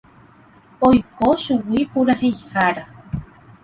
Oiko chugui puraheihára